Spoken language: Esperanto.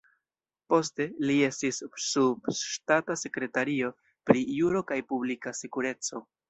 Poste, li estis subŝtata sekretario pri Juro kaj Publika Sekureco.